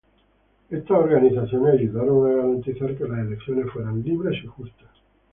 Estas organizaciones ayudaron a garantizar que las elecciones fueran libres y justas.